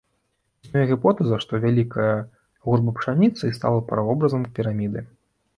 Існуе гіпотэза, што вялікая гурба пшаніцы і стала правобразам піраміды.